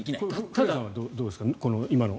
古屋さんはどうですか？